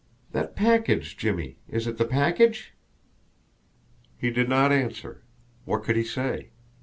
That package, Jimmie is it the package?" He did not answer. What could he say?